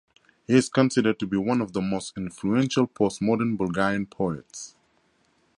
He is considered to be one of the most influential postmodern Bulgarian poets.